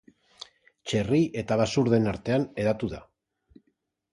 Txerri eta basurdeen artean hedatu da.